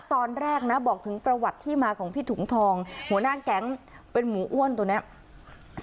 ตอนแรกนะบอกถึงประวัติที่มาของพี่ถุงทองหัวหน้าแก๊งเป็นหมูอ้วนตัวเนี้ย